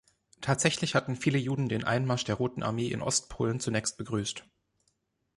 Tatsächlich hatten viele Juden den Einmarsch der Roten Armee in Ostpolen zunächst begrüßt.